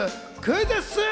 クイズッス！